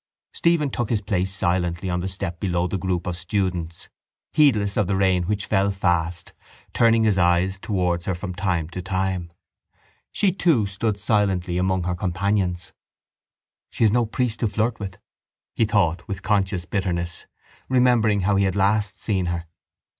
Stephen took his place silently on the step below the group of students, heedless of the rain which fell fast, turning his eyes towards her from time to time. She too stood silently among her companions. She has no priest to flirt with, he thought with conscious bitterness, remembering how he had seen her last.